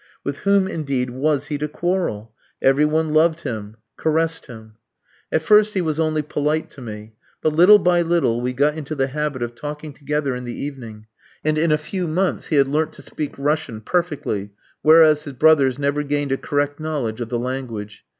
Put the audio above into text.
With whom, indeed, was he to quarrel? Every one loved him, caressed him. At first he was only polite to me; but little by little we got into the habit of talking together in the evening, and in a few months he had learnt to speak Russian perfectly, whereas his brothers never gained a correct knowledge of the language.